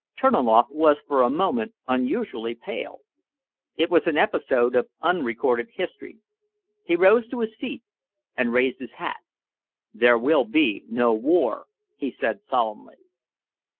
Terniloff was for a moment unusually pale. It was an episode of unrecorded history. He rose to his feet and raised his hat. "There will be no war," he said solemnly.